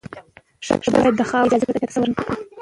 ښځه باید د خاوند اجازې پرته چا ته څه ورنکړي.